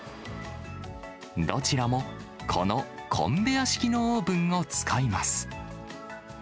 どちらもこのコンベア式のオーブンを使います。